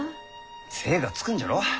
精がつくんじゃろ？